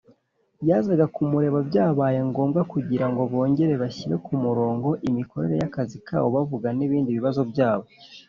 yazaga kumureba Byabaye ngombwa kugira ngo bongere bashyire ku murongo imikorere y’akazi kabo bavuga n’ibindi bibazo byabo.